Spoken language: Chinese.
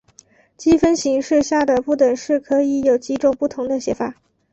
积分形式下的不等式可以有几种不同的写法。